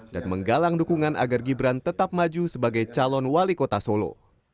dan menggalang dukungan agar gibran tetap maju sebagai calon wali kota solo